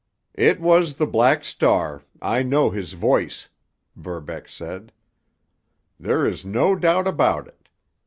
"It was the Black Star—I know his voice," Verbeck said. "There is no doubt about it.